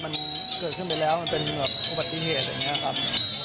มันเกิดขึ้นไปแล้วมันเป็นแบบอุบัติเหตุอย่างนี้ครับ